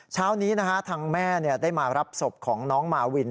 เช้านี้ทางแม่ได้มารับศพของน้องมาวิน